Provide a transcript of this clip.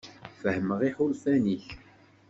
Fehmeɣ iḥulfan-ik.